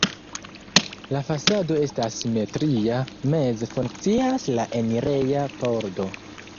La fasado estas simetria, meze funkcias la enireja pordo.